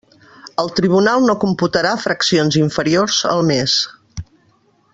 El tribunal no computarà fraccions inferiors al mes.